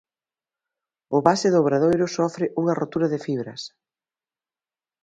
O base do Obradoiro sofre unha rotura de fibras.